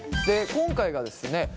で今回がですね